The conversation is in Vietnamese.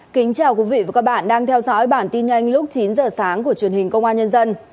kính chào quý vị và các bạn đang theo dõi bản tin nhanh lúc chín giờ sáng của truyền hình công an nhân dân